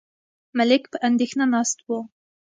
ملک په اندېښنه ناست و.